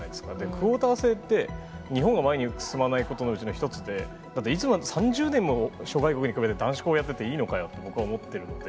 クオータ制って、日本が前に進まないことの一つで、いつまでも、３０年も諸外国に比べて男子校やってていいのかよと、僕は思ってるんで。